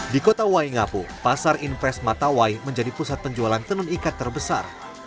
di kota wai ngapu pasar inpres matawai menjadi pusat penjualan tenun ikat terbesar